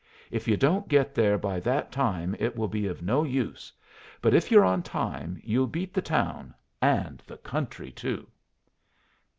If you don't get there by that time it will be of no use, but if you're on time you'll beat the town and the country too."